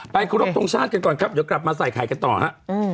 ครบทรงชาติกันก่อนครับเดี๋ยวกลับมาใส่ไข่กันต่อฮะ